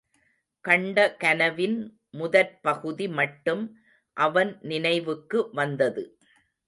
கண்ட கனவின் முதற்பகுதி மட்டும் அவன் நினைவுக்கு வந்தது.